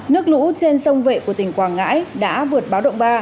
nước lũ trên sông vệ của tỉnh quảng ngãi đã vượt báo động ba